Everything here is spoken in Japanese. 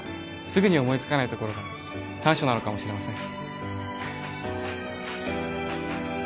すぐに思いつかないところが短所なのかもしれません